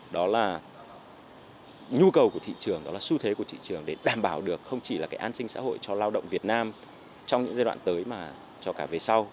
đó là nhu cầu của thị trường đó là xu thế của thị trường để đảm bảo được không chỉ là cái an sinh xã hội cho lao động việt nam trong những giai đoạn tới mà cho cả về sau